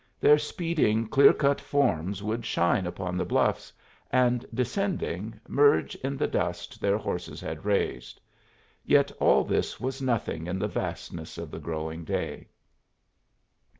Their speeding, clear cut forms would shine upon the bluffs, and, descending, merge in the dust their horses had raised. Yet all this was nothing in the vastness of the growing day.